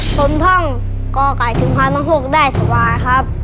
คนพังก็กลายถึงความพร้อมได้สบายครับ